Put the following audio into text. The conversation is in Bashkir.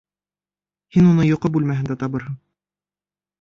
Һин уны йоҡо бүлмәһендә табырһың.